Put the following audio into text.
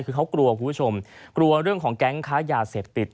คือเขากลัวคุณผู้ชมกลัวเรื่องของแก๊งค้ายาเสพติด